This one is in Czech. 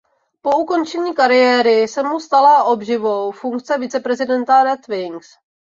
Po ukončení kariéry se mu stala obživou funkce viceprezidenta Red Wings.